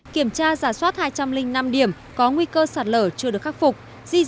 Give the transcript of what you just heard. kiểm tra giả soát hai trăm linh năm điểm có nguy cơ sạt lở chưa được khắc phục